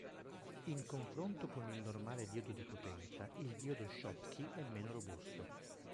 In confronto con il normale diodo di potenza il diodo Schottky è meno robusto.